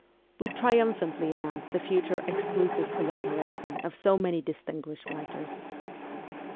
We triumphantly announced the future ' exclusive collaboration ' of so many distinguished writers.